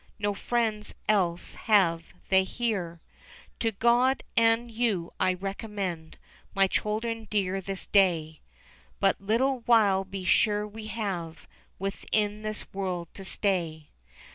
No friends else have they here ; To God and you I recommend My children dear this day ; But little while be sure we have Within this world to stay.